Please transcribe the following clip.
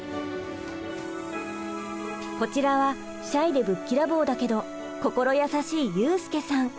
こちらはシャイでぶっきらぼうだけど心優しいユースケさん。